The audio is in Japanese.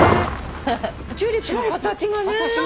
チューリップの形がね